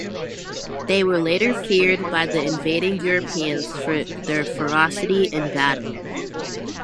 They were later feared by the invading Europeans for their ferocity in battle.